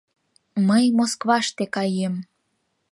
«Мый Москваште каем...»